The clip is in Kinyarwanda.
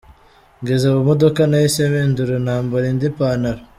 Ngeze mu modoka nahise mpindura nambara indi pantaro”.